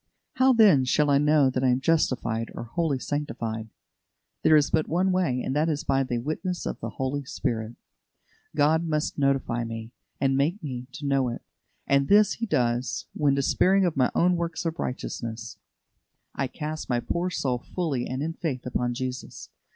How, then, shall I know that I am justified or wholly sanctified? There is but one way, and that is by the witness of the Holy Spirit. God must notify me, and make me to know it; and this He does, when, despairing of my own works of righteousness, I cast my poor soul fully and in faith upon Jesus.